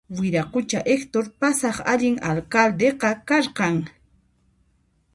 Wiraqucha Hector pasaq allin alcaldeqa karqan